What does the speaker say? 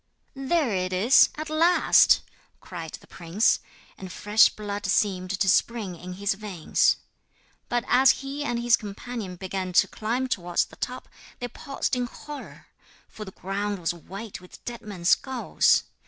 'There it is, at last,' cried the prince; and fresh blood seemed to spring in his veins. But as he and his companion began to climb towards the top they paused in horror, for the ground was white with dead men's skulls.